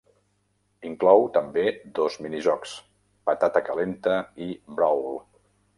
Inclou també dos mini jocs: Patata calenta i Brawl.